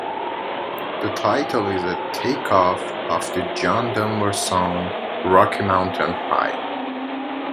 The title is a take-off of the John Denver song "Rocky Mountain High".